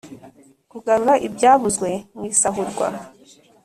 Kugarura ibyabuzwe mw’isahurwa.